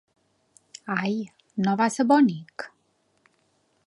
Ai, no va ser bonic?